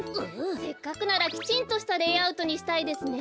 せっかくならきちんとしたレイアウトにしたいですね。